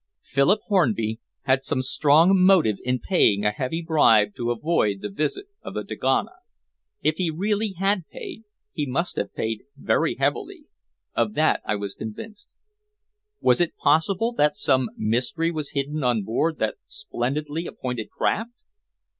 Philip Hornby had some strong motive in paying a heavy bribe to avoid the visit of the dogana. If he really had paid, he must have paid very heavily; of that I was convinced. Was it possible that some mystery was hidden on board that splendidly appointed craft?